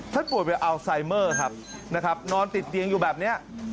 ป่วยเป็นอัลไซเมอร์ครับนะครับนอนติดเตียงอยู่แบบนี้